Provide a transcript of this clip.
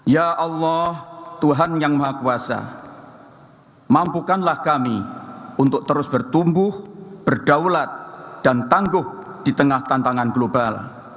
ya allah tuhan yang maha kuasa mampukanlah kami untuk terus bertumbuh berdaulat dan tangguh di tengah tantangan global